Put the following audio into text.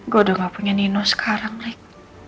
gue udah gak punya nino sekarang deh